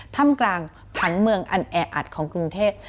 ถ้ำกลางผังเมืองอันแออัดของกรุงเทพ